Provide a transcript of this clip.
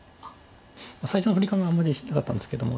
最初のフリカワリもあんまり自信なかったんですけども。